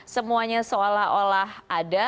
semuanya seolah olah ada